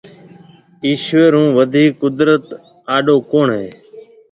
ايشوَر هون وڌيڪ قُدرت آݪو ڪوُڻ هيَ۔